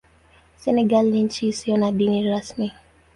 Senegal ni nchi isiyo na dini rasmi.